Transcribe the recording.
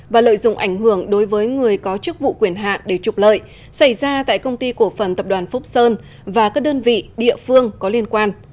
và lợi dụng ảnh hưởng đối với người có chức vụ quyền hạ để trục lợi xảy ra tại công ty cổ phần tập đoàn phúc sơn và các đơn vị địa phương có liên quan